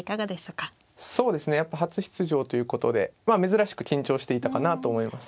そうですねやっぱ初出場ということで珍しく緊張していたかなと思います。